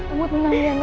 umut menang ya nanti